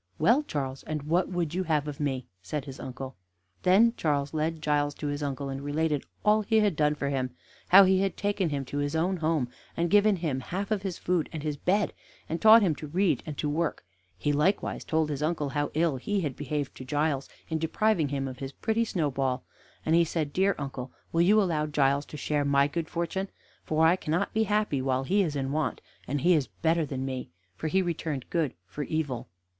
"Well, Charles, and what would you have of me?" said his uncle. Then Charles led Giles to his uncle, and related all he had done for him; how he had taken him to his own home, and given him half of his food and his bed, and taught him to read and to work; he, likewise, told his uncle how ill he had behaved to Giles in depriving him of his pretty Snowball, and he said: "Dear uncle, will you allow Giles to share my good fortune, for I cannot be happy while he is in want, and he is better than me, for he returned good for evil."